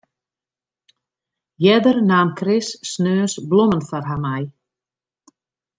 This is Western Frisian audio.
Earder naam Chris sneons blommen foar har mei.